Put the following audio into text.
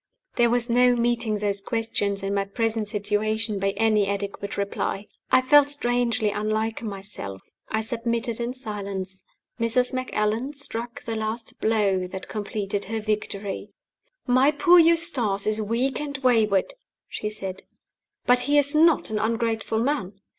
There was no meeting those questions, in my present situation, by any adequate reply. I felt strangely unlike myself I submitted in silence. Mrs. Macallan struck the last blow that completed her victory. "My poor Eustace is weak and wayward," she said; "but he is not an ungrateful man.